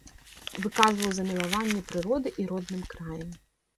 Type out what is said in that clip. Выказваў замілаванне прыродай і родным краем.